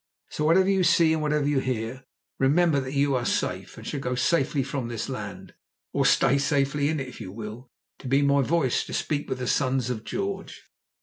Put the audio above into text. So whatever you see and whatever you hear, remember that you are safe, and shall go safely from this land, or stay safely in it if you will, to be my voice to speak with the Sons of George.